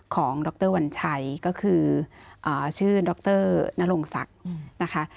ดรวัญชัยก็คือชื่อดรนรงศักดิ์นะคะ